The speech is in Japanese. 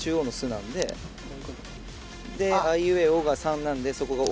なんでであいうえおが③なんでそこが「お」